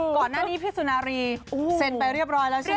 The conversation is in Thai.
ก่อนหน้านี้พี่สุนารีเซ็นไปเรียบร้อยแล้วใช่ไหม